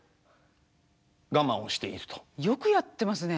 よくやってますね。